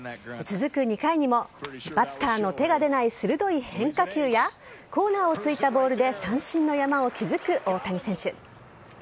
続く２回にも、バッターの手が出ない鋭い変化球や、コーナーを突いたボールで三振の山を築く大谷選手。